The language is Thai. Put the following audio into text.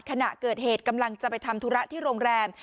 ขณะเกิดเหตุกำลังจะไปทำธุระที่โรงแรม